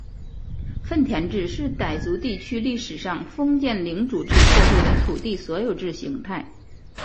份田制是傣族地区历史上封建领主制社会的土地所有制形态。